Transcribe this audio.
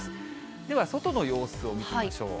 では外の様子を見てみましょう。